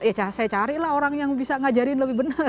ya saya carilah orang yang bisa mengajarin lebih benar